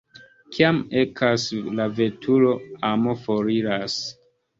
Kiam ekas la veturo, amo foriras.